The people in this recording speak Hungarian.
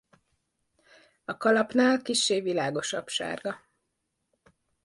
A kalapnál kissé világosabb sárga.